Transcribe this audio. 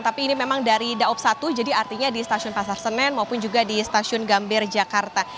tapi ini memang dari daob satu jadi artinya di stasiun pasar senen maupun juga di stasiun gambir jakarta